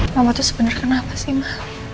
mama tuh sebenarnya kenapa sih ma